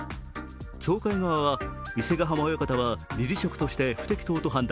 協会側は伊勢ヶ浜親方は理事職として不適当と判断。